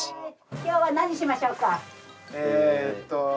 今日は何にしましょうか？